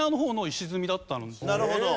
なるほど。